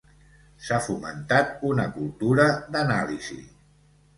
S'ha fomentat una cultura d'anàlisi.